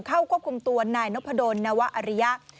เข้าควบคุมตัวนายนพดลนวะอริยะ